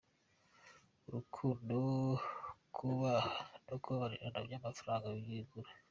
Urukundo, kubaha no kubabarira nta mafaranga yabigura.